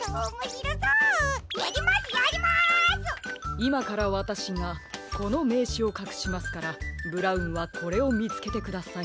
いまからわたしがこのめいしをかくしますからブラウンはこれをみつけてください。